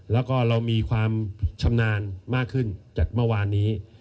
แล้วก็เรามีความชำนาญมากขึ้นจากเมื่อวานนี้